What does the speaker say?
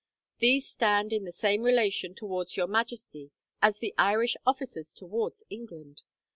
These stand in the same relation towards Your Majesty as the Irish officers towards England.